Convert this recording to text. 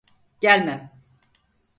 Gelmem.